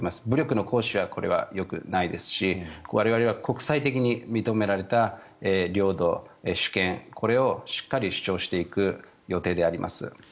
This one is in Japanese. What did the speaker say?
武力の行使はこれはよくないですし我々は国際的に認められた領土、主権これをしっかり主張していく予定であります。